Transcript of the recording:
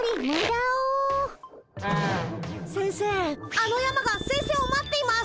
あの山が先生を待っています。